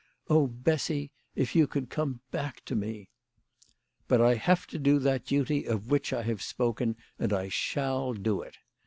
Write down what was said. Oh, Bessy, if you could come back to me !" But I have to do that duty of which I have spoken, and I shall do it.